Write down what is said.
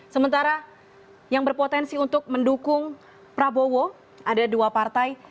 sementara yang berpotensi untuk mendukung prabowo ada dua partai